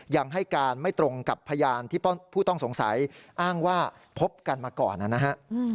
ยังให้การไม่ตรงกับพยานที่ผู้ต้องสงสัยอ้างว่าพบกันมาก่อนนะฮะ